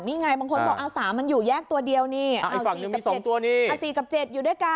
นี่ไงบางคนบอกเอา๓มันอยู่แยกตัวเดียวนี่๔กับ๗๔กับ๗อยู่ด้วยกัน